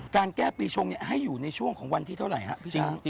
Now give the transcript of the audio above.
แก้ปีชงให้อยู่ในช่วงของวันที่เท่าไหร่ครับพี่ช้าง